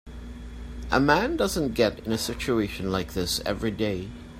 A man doesn't get in a situation like this every day.